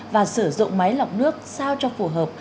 và sử dụng máy lọc nước sao cho phù hợp